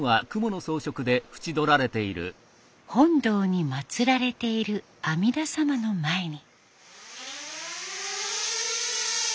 本堂に祀られている阿弥陀様の前に。